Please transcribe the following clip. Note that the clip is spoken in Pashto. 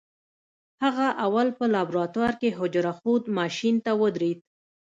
هغه اول په لابراتوار کې حجره ښود ماشين ته ودرېد.